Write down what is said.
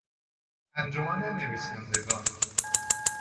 انجمن نویسندگان